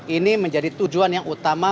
ini menjadi tujuan yang utama